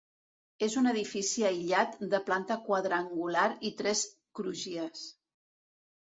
És un edifici aïllat de planta quadrangular i tres crugies.